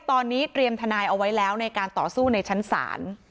ตอนนี้เตรียมทนายเอาไว้แล้วในการต่อสู้ในชั้นศาล